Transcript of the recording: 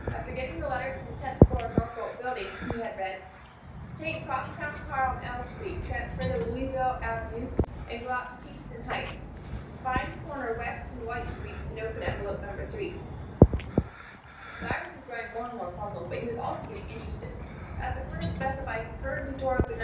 After getting the letter from the tenth floor of the Norfolk Building, he had read: "Take cross town car on L Street, transfer to Louisville Avenue, and go out to Kingston Heights. Find corner West and Dwight Streets, and open envelope No. 3." Cyrus was growing more and more puzzled, but he was also getting interested. At the corner specified he hurriedly tore open No.